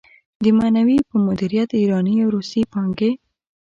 د معنوي په مديريت ايراني او روسي پانګې.